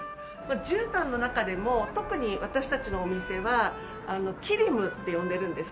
じゅうたんの中でも特に私たちのお店はキリムって呼んでるんですけれど。